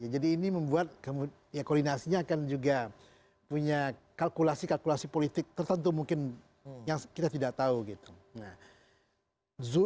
jadi ini membuat koordinasinya akan juga punya kalkulasi kalkulasi politik tertentu mungkin yang kita tidak tahu gitu